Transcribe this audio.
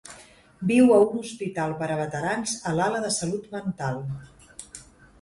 Viu a un hospital per a veterans a l'ala de salut mental.